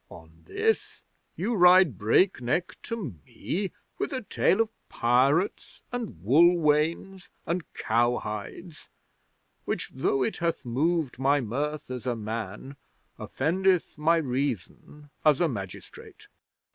'"On this you ride breakneck to me with a tale of pirates, and wool wains, and cow hides, which, though it hath moved my mirth as a man, offendeth my reason as a magistrate.